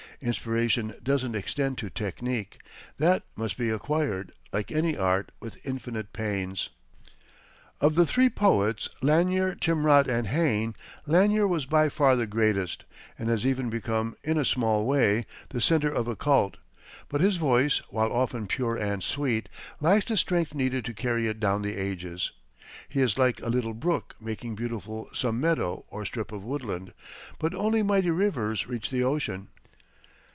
Inspiration doesn't extend to technic that must be acquired, like any art, with infinite pains. Of the three poets, Lanier, Timrod, and Hayne, Lanier was by far the greatest, and has even become, in a small way, the centre of a cult; but his voice, while often pure and sweet, lacks the strength needed to carry it down the ages. He is like a little brook making beautiful some meadow or strip of woodland; but only mighty rivers reach the ocean.